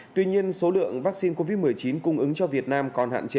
tuy nhiên số lượng vaccine covid một mươi chín cung ứng cho việt nam còn hạn chế